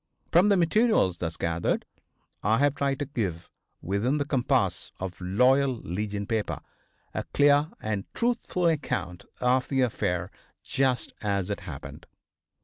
From the materials thus gathered I have tried to give, within the compass of a Loyal Legion paper, a clear and truthful account of the affair just as it happened.